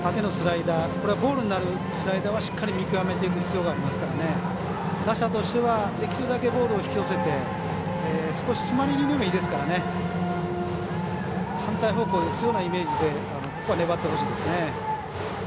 ボールになるスライダーはしっかり見極めていく必要がありますから打者としてはできるだけボールを引き寄せて少し、詰まり気味でもいいので反対方向に打つようなイメージで粘ってほしいですね。